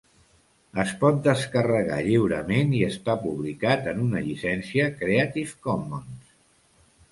Es pot descarregar lliurement i està publicat en una llicència Creative Commons.